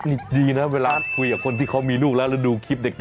นี่ดีนะเวลาคุยกับคนที่เขามีลูกแล้วแล้วดูคลิปเด็ก